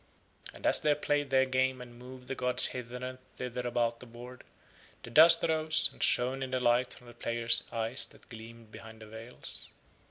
And as they played their game and moved the gods hither and thither about the board, the dust arose, and shone in the light from the players' eyes that gleamed behind the veils.